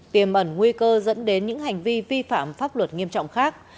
tiềm ẩn nguy cơ dẫn đến những hành vi vi phạm pháp luật nghiêm trọng khác